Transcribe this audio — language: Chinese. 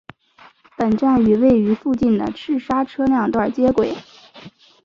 本站与位于附近的赤沙车辆段接轨。